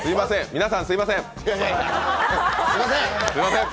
皆さん、すいません。